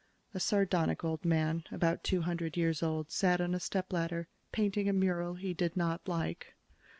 A sardonic old man, about two hundred years old, sat on a stepladder, painting a mural he did not like.